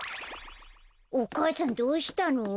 お母さんどうしたの？